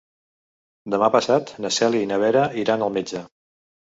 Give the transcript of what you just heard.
Demà passat na Cèlia i na Vera iran al metge.